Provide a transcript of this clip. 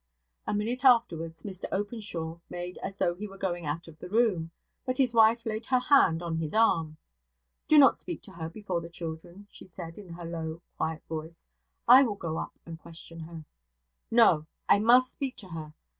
A minute afterwards Mr Openshaw made as though he were going out of the room; but his wife laid her hand on his arm. 'Do not speak to her before the children,' she said, in her low, quiet voice. 'I will go up and question her.' 'No! I must speak to her.